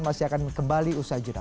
masih akan kembali usaha jurnal